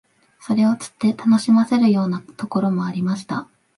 それを釣って楽しませるようなところもありました